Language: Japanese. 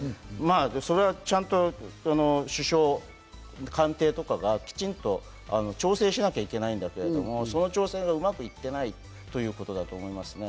なので、ちゃんと官邸とかが調整しなきゃいけないんだけれども、その調整がうまくいっていないということだと思いますね。